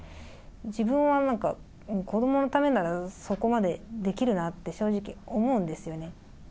自分はなんか、子どものためなら、そこまでできるなって正直、思うんですよね。